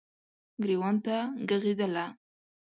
ګریوان ته ږغیدله